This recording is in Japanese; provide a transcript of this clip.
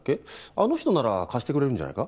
あの人なら貸してくれるんじゃないか？